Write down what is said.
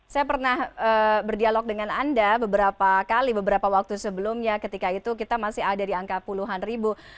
saya pernah berdialog dengan anda beberapa kali beberapa waktu sebelumnya ketika itu kita masih ada di angka puluhan ribu